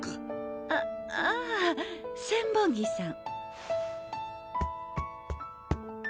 あああ千本木さん。